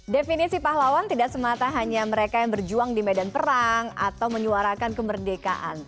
definisi pahlawan tidak semata hanya mereka yang berjuang di medan perang atau menyuarakan kemerdekaan